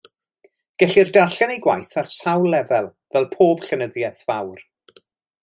Gellir darllen ei gwaith ar sawl lefel, fel pob llenyddiaeth fawr.